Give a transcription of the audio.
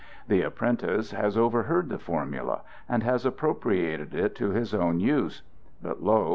The apprentice has overheard the formula, and has appropriated it to his own use; but lo!